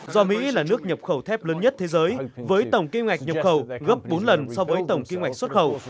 do mỹ là nước nhập khẩu thép lớn nhất thế giới với tổng kim ngạch nhập khẩu gấp bốn lần so với tổng kinh ngạch xuất khẩu